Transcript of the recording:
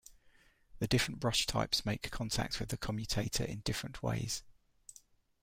The different brush types make contact with the commutator in different ways.